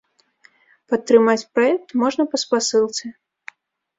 Падтрымаць праект можна па спасылцы.